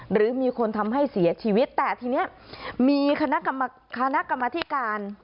หรือมีคนทำให้เสียชีวิตแต่ทีนี้มีคณะกรรมธิการ